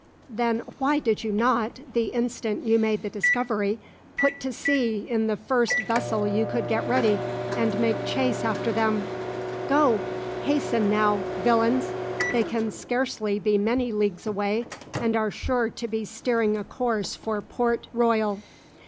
Then why did you not, the instant you made the discovery, put to sea in the first vessel you could get ready, and make chase after them? Go! hasten now, villains! they can scarcely be many leagues away, and are sure to be steering a course for Port Royal."